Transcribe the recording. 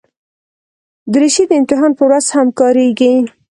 دریشي د امتحان پر ورځ هم کارېږي.